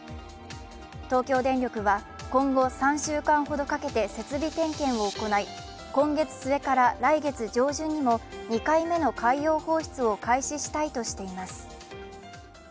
東京電力は今後、３週間ほどかけて設備点検を行い今月末から来月上旬にも２回目の海洋放出を開始したいとしています。